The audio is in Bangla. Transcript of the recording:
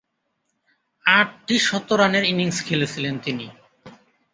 আটটি শতরানের ইনিংস খেলেছিলেন তিনি।